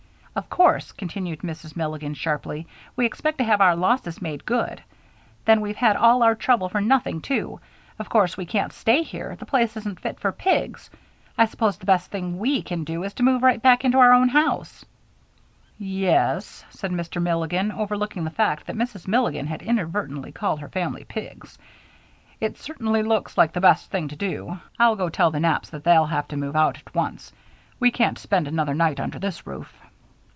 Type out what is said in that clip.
"Of course," continued Mrs. Milligan, sharply, "we expect to have our losses made good. Then we've had all our trouble for nothing, too. Of course we can't stay here the place isn't fit for pigs. I suppose the best thing we can do is to move right back into our own house." "Ye es," said Mr. Milligan, overlooking the fact that Mrs. Milligan had inadvertently called her family pigs, "it certainly looks like the best thing to do. I'll go and tell the Knapps that they'll have to move out at once we can't spend another night under this roof."